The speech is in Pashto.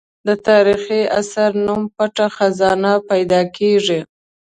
د تاریخي اثر نوم پټه خزانه پیدا کېږي.